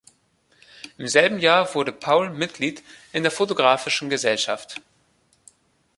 Im selben Jahr wurde Paul Mitglied in der Photographischen Gesellschaft.